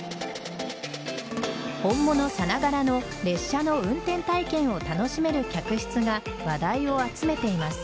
本物さながらの列車の運転体験を楽しめる客室が話題を集めています。